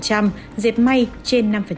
bảy mươi khu công nghiệp